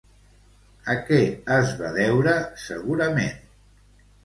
A què es va deure, segurament?